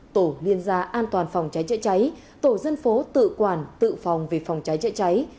tổ liên gia an toàn phòng cháy chạy cháy tổ dân phố tự quản tự phòng vì phòng cháy chạy cháy